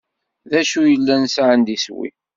D acu llan sɛan d iswi?